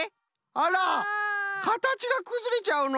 あらかたちがくずれちゃうの。